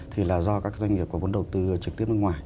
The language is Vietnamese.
thì là do các doanh nghiệp có vốn đầu tư trực tiếp nước ngoài